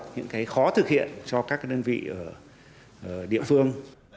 những khó thực hiện cho các đơn vị ở địa phương